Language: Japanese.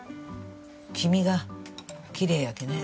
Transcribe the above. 黄身がきれいやってね。